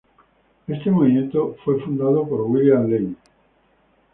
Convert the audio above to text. Este movimiento fue fundado por William Lane.